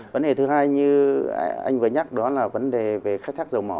vấn đề thứ hai như anh vừa nhắc đó là vấn đề về khai thác dầu mỏ